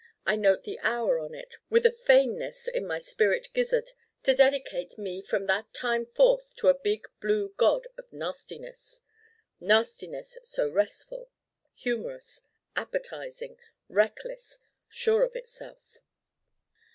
I note the hour on it with a fainness in my spirit gizzard to dedicate Me from that time forth to a big blue god of Nastiness: Nastiness so restful, humorous, appetizing, reckless, sure of itself.